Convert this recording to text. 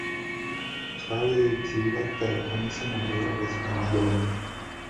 Schvaluji cíle, které Komise navrhuje ve svém sdělení.